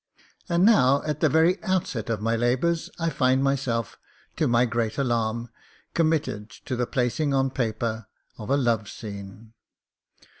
And now, at the very outset of my labours, I find myself — ^to my great alarm — committed to the placing * on paper of a love scene.